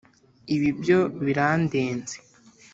Ibi byo birandenze